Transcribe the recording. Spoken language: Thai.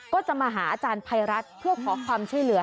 ก็จะมาหาอาจารย์ภัยรัฐเพื่อขอความช่วยเหลือ